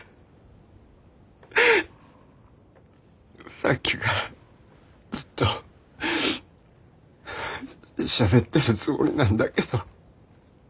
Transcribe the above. さっきからずっとしゃべってるつもりなんだけど。